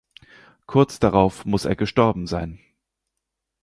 Kurz darauf muss er gestorben sein.